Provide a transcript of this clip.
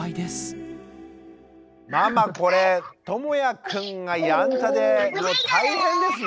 ママこれともやくんがやんちゃで大変ですね。